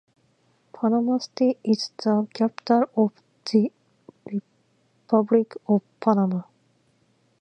Panama City is the capital of the Republic of Panama.